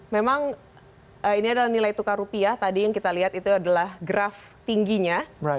memang ini adalah nilai tukar rupiah tadi yang kita lihat itu adalah graf tingginya